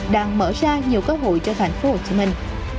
đang mở ra nhiều cơ hội cho thành phố hồ chí minh